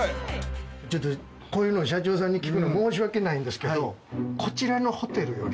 ちょっとこういうの社長さんに聞くの申し訳ないんですけど。